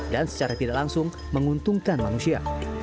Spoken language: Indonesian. dan secara tidak langsung menguntungkan manusia